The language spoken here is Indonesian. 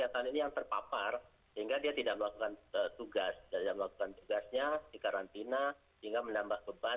tidak melakukan tugasnya di karantina sehingga menambah beban